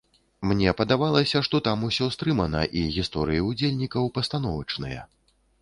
Мне падавалася, што там усё стрымана і гісторыі ўдзельнікаў пастановачныя.